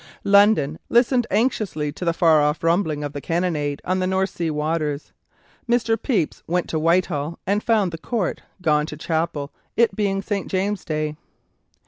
London listened anxiously to the far off rumbling of the cannonade on the North Sea waters. Mr. Pepys went to Whitehall and found the Court "gone to chapel, it being St. James's Day."